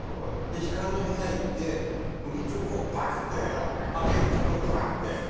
で、光の部屋へ行って麦チョコをバーンって開けるの袋をバーンって。